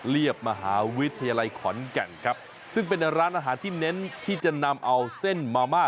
เรียบมหาวิทยาลัยขอนแก่นครับซึ่งเป็นร้านอาหารที่เน้นที่จะนำเอาเส้นมาม่า